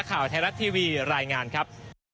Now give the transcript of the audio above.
ข่าวไทยรัฐทีวีรายงานครับ